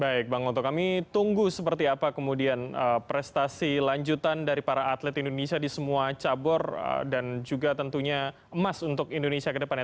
baik bang onto kami tunggu seperti apa kemudian prestasi lanjutan dari para atlet indonesia di semua cabur dan juga tentunya emas untuk indonesia ke depannya